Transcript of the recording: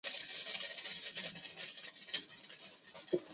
亚祖县伊甸乡间也因龙卷风致使一套移动房屋倒塌。